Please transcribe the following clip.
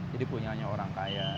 jadi punya orang kaya